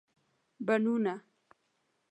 بڼونه